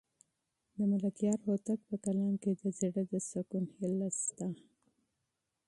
د ملکیار هوتک په کلام کې د زړه د سکون هیله شته.